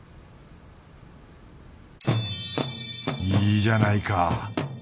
いいじゃないか！